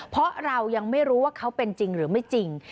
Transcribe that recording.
เพราะเรายังไม่รู้ว่าเขาเป็นจริงหรือไม่จริง